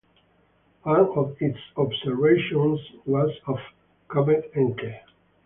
One of its observations was of Comet Encke.